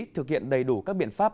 thực hiện đầy đủ các biện pháp